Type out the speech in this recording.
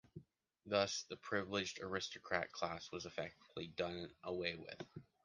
Thus the privileged aristocratic class was effectively done away with.